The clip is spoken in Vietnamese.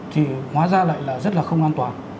thì hóa ra lại là rất là không an toàn